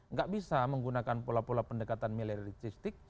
nggak bisa menggunakan pola pola pendekatan militistik